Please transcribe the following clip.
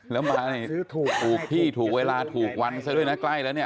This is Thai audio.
แล้วมาเนี่ยถูกที่ถูกเวลาถูกวันซะด้วยนะใกล้แล้วเนี่ย